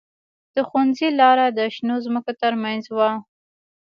د ښوونځي لاره د شنو ځمکو ترمنځ وه